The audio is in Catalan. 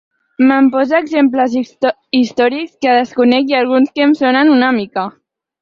Me'n posa exemples històrics que desconec i alguns que em sonen una mica.